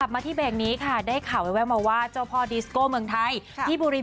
มาที่เบรกนี้ค่ะได้ข่าวแววมาว่าเจ้าพ่อดิสโก้เมืองไทยที่บุรี